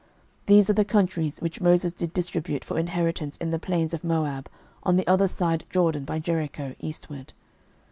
06:013:032 These are the countries which Moses did distribute for inheritance in the plains of Moab, on the other side Jordan, by Jericho, eastward.